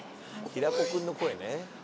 平子君の声ね。